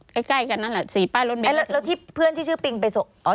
ใกล้ใกล้กันนั่นแหละสี่ป้ายรถเมนแล้วที่เพื่อนที่ชื่อปิงไปส่งอ๋อ